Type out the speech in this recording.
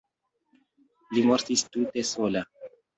Li mortis tute sola.